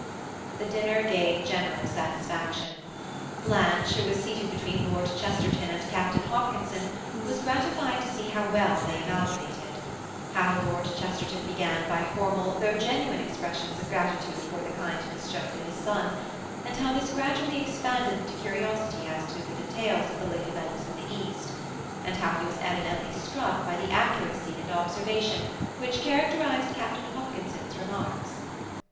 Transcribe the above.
The dinner gave general satisfaction. Blanche, who was seated between Lord Chesterton and Captain Hopkinson, was gratified to see how well they amalgamated; how Lord Chesterton began by formal though genuine expressions of gratitude for the kindness shown to his son, and how this gradually expanded into curiosity as to the details of the late events in the East, and how he was evidently struck by the accuracy and observation which characterised Captain Hopkinson's remarks.